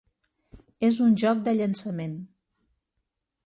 És un joc de llançament.